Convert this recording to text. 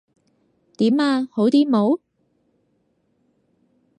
點呀？好啲冇？